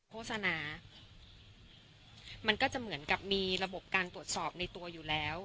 โฆษณามันก็จะเหมือนกับมีระบบการตรวจสอบในตัวอยู่แล้ว